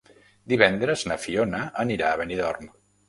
Divendres na Fiona anirà a Benidorm.